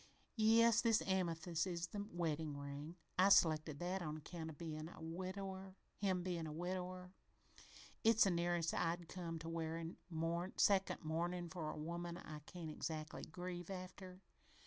"Yes, this amethyst is the weddin' ring. I selected that on account of him bein' a widower. It's the nearest I'd come to wearin' second mournin' for a woman I can't exactly grieve after.